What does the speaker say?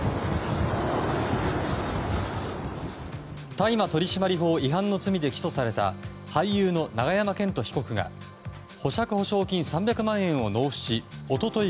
大麻取締法違反の罪で起訴された俳優の永山絢斗被告が保釈保証金３００万円を納付し一昨日